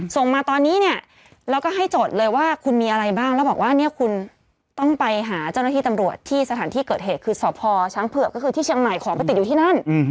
ส่งมาตอนนี้เนี่ยแล้วก็ให้จดเลยว่าคุณมีอะไรบ้างแล้วบอกว่าเนี่ยคุณต้องไปหาเจ้าหน้าที่ตำรวจที่สถานที่เกิดเหตุคือสพช้างเผือกก็คือที่เชียงใหม่ขอไปติดอยู่ที่นั่น